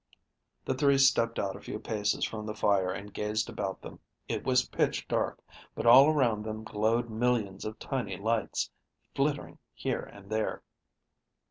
The three stepped out a few paces from the fire and gazed about them. It was pitch dark, but all around them glowed millions of tiny lights, flittering here and there.